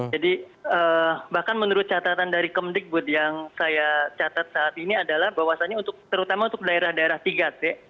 jadi bahkan menurut catatan dari kemdikbud yang saya catat saat ini adalah bahwasannya untuk terutama untuk daerah daerah tiga t